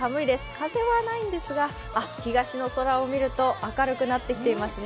風はないんですが東の空を見ると明るくなってきていますね。